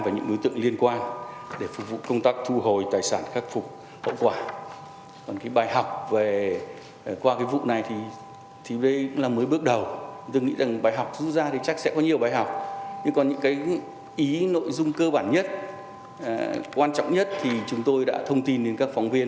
và những nối tượng liên tục